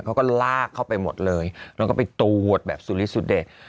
เขาก็ลากเข้าไปหมดเลยแล้วก็ไปตูโหดแบบสุริสุเดช